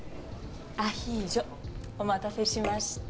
アヒージョお待たせしました。